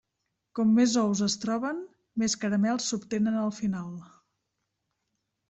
Com més ous es troben, més caramels s'obtenen al final.